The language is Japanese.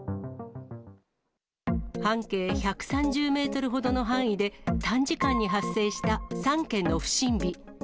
半径１３０メートルほどの範囲で、短時間に発生した３件の不審火。